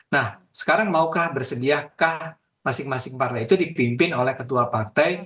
nah sekarang maukah bersediakah masing masing partai itu dipimpin oleh ketua partai